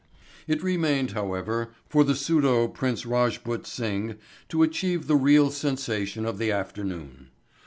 It remained, however, for the pseudo Prince Rajput Singh to achieve the real sensation of the afternoon.